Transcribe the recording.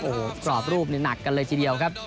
โอ้โหกรอบรูปนี่หนักกันเลยทีเดียวครับ